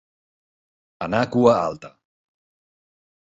Anar cua alta.